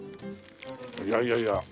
いやいやいや。